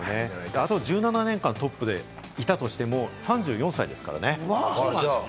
あと１７年間トップでいたとしても３４歳ですからね。